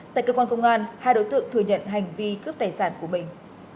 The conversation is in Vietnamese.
tại cơ quan công an hai đối tượng thừa nhận hành vi cướp tài sản của mình